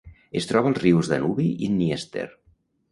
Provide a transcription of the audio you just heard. Es troba als rius Danubi i Dnièster.